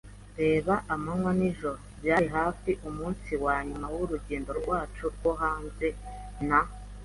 reba amanywa n'ijoro. Byari hafi umunsi wanyuma wurugendo rwacu rwo hanze na